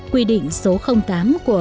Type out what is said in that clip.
quy định số tám của